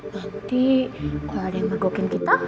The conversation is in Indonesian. nanti kalo ada yang begokin kita